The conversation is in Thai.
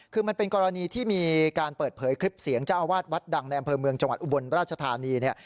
คือมันเป็นกรณีที่มีการเปิดเผยคลิปเสียงเจ้าอาวาสวัดดังในอำเภอเมืองจังหวัดอุบลราชธานีเนี่ย